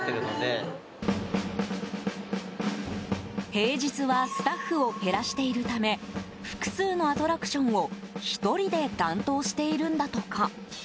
平日はスタッフを減らしているため複数のアトラクションを１人で担当しているんだとか。